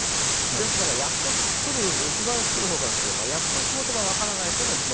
ですから芝居を作る方からすれば約束事が分からないというのが一番困るわけです。